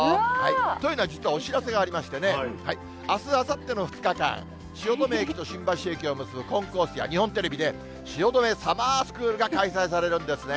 というのは、実はお知らせがありましてね、あす、あさっての２日間、汐留駅と新橋駅を結ぶコンコースや日本テレビで、汐留サマースクールが開催されるんですね。